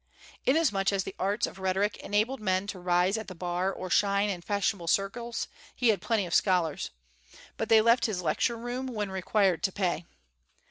Inasmuch as the arts of rhetoric enabled men to rise at the bar or shine in fashionable circles, he had plenty of scholars; but they left his lecture room when required to pay.